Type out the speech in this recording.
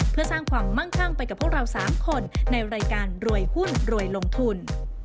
เพื่อสร้างความมั่งคั่งไปกับพวกเรา๓คนในรายการรวยหุ้นรวยลงทุน